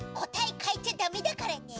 かえちゃダメだからね！